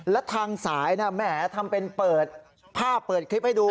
และทางสายแหมทำเป็นเปิดภาพเปิดคลิปให้ดู